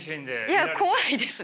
いや怖いですね。